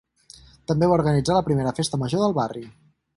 També va organitzar la primera festa major del barri.